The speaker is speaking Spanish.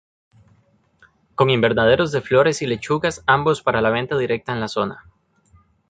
Con invernaderos de flores y lechugas ambos para venta directa en la zona.